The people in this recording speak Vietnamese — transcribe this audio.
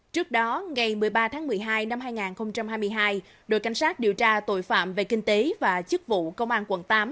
trước đó ngày một mươi ba tháng một mươi hai năm hai nghìn hai mươi hai đội cảnh sát điều tra tội phạm về kinh tế và chức vụ công an quận tám